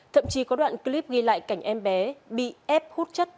thậm chí có đoạn clip ghi lại cảnh em bé bị ép hút chất